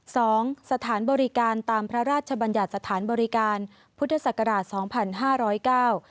สถานบริการตามพระราชบัญญัติสถานบริการพุทธศักราชสองพันห้าร้อยเก้า